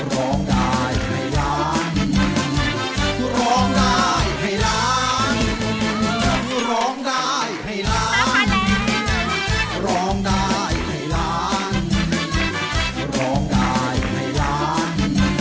ร้องได้ให้ร้าน